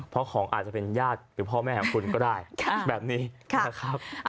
เพราะของอาจจะเป็นยากหรือพ่อแม่ของคุณก็ได้ค่ะแบบนี้ค่ะ